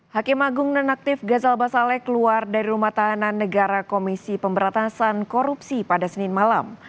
hakim agung nonaktif gazal basale keluar dari rumah tahanan negara komisi pemberatasan korupsi pada senin malam